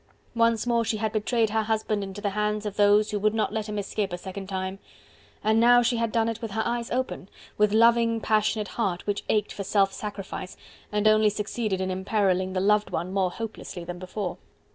Once more she had betrayed her husband into the hands of those who would not let him escape a second time. And now she had done it with her eyes open, with loving, passionate heart which ached for self sacrifice, and only succeeded in imperilling the loved one more hopelessly than before.